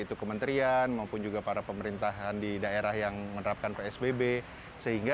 terima kasih terima kasih